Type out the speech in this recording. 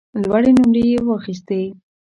لوړې نمرې یې واخیستې.